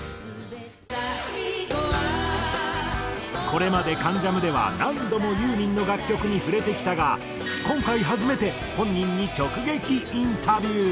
これまで『関ジャム』では何度もユーミンの楽曲に触れてきたが今回初めて本人に直撃インタビュー。